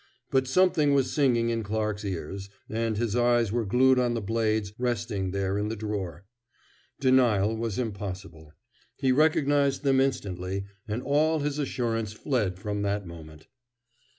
But something was singing in Clarke's ears, and his eyes were glued on the blades resting there in the drawer. Denial was impossible. He recognized them instantly, and all his assurance fled from that moment.